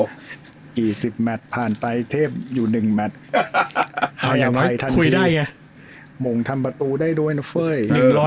กี่สิบแมทผ่านไปเทพอยู่หนึ่งแมทเอายังไงทันทีมงทำประตูได้ด้วยนะเฟ้ย